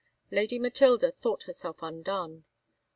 Lady Matilda thought herself undone.